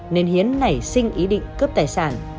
nên hiến nảy sinh ý định cướp tài sản